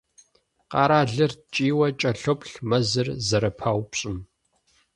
Къэралыр ткӀийуэ кӀэлъоплъ мэзыр зэрыпаупщӀым.